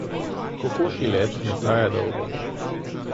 Kokošji let ne traja dolgo.